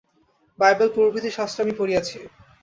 Bible প্রভৃতি শাস্ত্র আমি পড়িয়াছি।